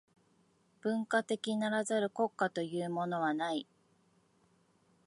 文化的ならざる国家というものはない。